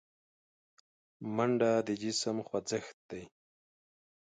منډه د جسم خوځښت دی